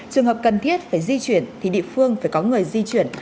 trường hợp cần thiết phải di chuyển thì địa phương phải có người di chuyển